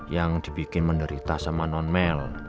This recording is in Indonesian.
yang dibikin menderita sama non mel